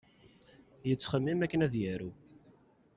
Yettxemmim akken ad yaru.